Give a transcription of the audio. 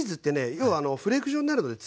要はフレーク状になるので使い勝手